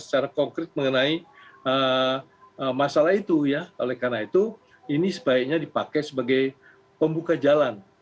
sebagai masalah itu oleh karena itu ini sebaiknya dipakai sebagai pembuka jalan